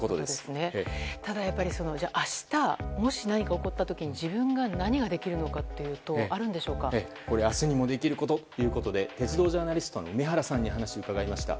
ただ、明日もし何か起こった時に自分が何ができるのかというのは明日にもできることで鉄道ジャーナリストの梅原さんに話を伺いました。